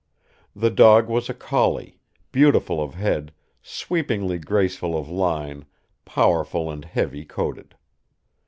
The dog was a collie beautiful of head, sweepingly graceful of line, powerful and heavy coated.